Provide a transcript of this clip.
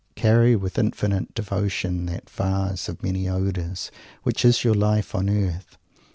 "Carry with infinite devotion that vase of many odours which is your Life on Earth.